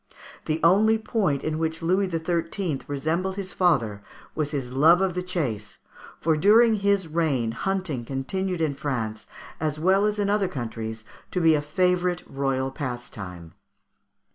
The only point in which Louis XIII. resembled his father was his love of the chase, for during his reign hunting continued in France, as well as in other countries, to be a favourite royal pastime.